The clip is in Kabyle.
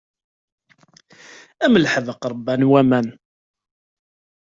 Am leḥbeq ṛebban waman.